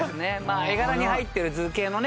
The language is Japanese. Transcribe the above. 絵柄に入ってる図形のね